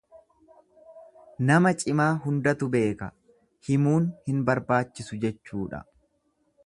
Nama cimaa hundatu beeka himuun hin barbaachisu jechuudha.